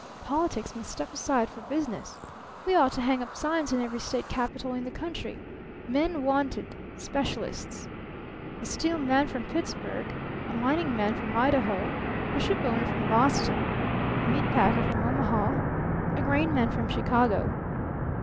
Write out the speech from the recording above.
Politics must step aside for business. We ought to hang up signs in every state capitol in the country: 'Men Wanted Specialists.' A steel man from Pittsburgh, a mining man from Idaho, a shipowner from Boston, a meat packer from Omaha, a grain man from Chicago.